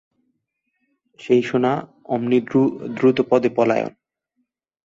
যেই শোনা, অমনি দ্রুতপদে পলায়ন।